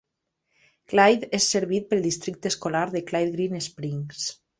Clyde és servit pel districte escolar de Clyde-Green Springs.